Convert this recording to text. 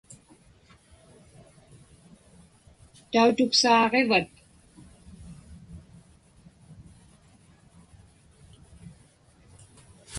Tautuksaaġivat?